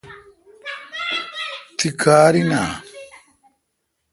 تی کار این اؘ